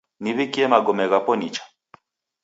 Niw'ikie magome ghapo nicha.